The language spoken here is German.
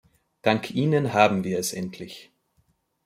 Dank Ihnen haben wir es endlich.